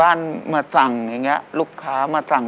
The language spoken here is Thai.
อ้าวเค้าเท่าอะไรกัน